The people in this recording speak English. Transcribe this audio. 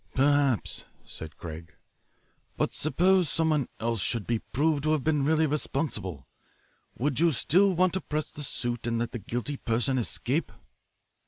"Perhaps," said Craig. "But suppose someone else should be proved to have been really responsible? Would you still want to press the suit and let the guilty person escape?"